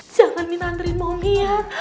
jangan minta hantarin momi ya